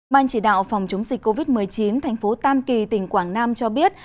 ban chỉ đạo phòng chống dịch covid một mươi chín thành phố tam kỳ tỉnh quảng nam cho biết